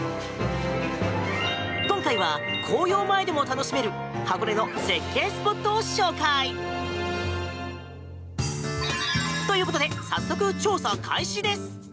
今回は、紅葉前でも楽しめる箱根の絶景スポットを紹介！ということで早速、調査開始です！